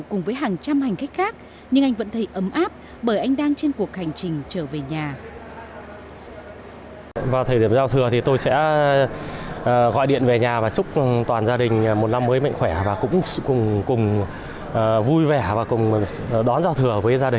cùng với hàng trăm hành khách khác nhưng anh vẫn thấy ấm áp bởi anh đang trên cuộc hành trình trở về nhà